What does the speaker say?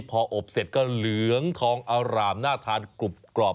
พออบเสร็จก็เหลืองทองอร่ามน่าทานกรุบกรอบ